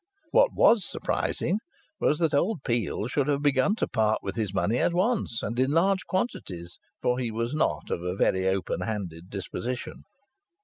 What was surprising was that old Peel should have begun to part with his money at once, and in large quantities, for he was not of a very open handed disposition.